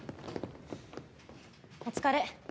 お疲れ。